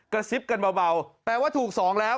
ซิบกันเบาแปลว่าถูก๒แล้ว